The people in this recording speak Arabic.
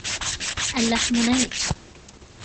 اللحم نيء.